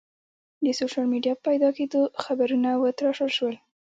د سوشل میډیا په پیدا کېدو خبرونه وتراشل شول.